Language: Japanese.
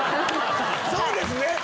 そうですね！